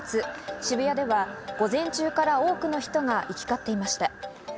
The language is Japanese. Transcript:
渋谷では午前中から多くの人が行き交っていました。